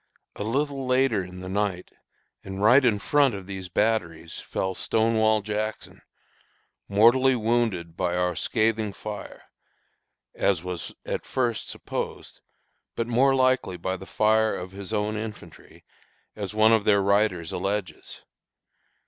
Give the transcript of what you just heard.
A little later in the night, and right in front of these batteries, fell Stonewall Jackson, mortally wounded by our scathing fire, as was at first supposed, but more likely by the fire of his own infantry, as one of their writers alleges.